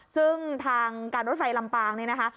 ซึ่งทางการรถไฟลำปางนี่นะคะ